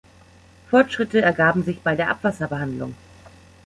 Fortschritte ergaben sich bei der Abwasserbehandlung.